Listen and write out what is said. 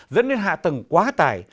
dẫn đến hạ tầng quá tải